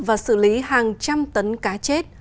và xử lý hàng trăm tấn cá chết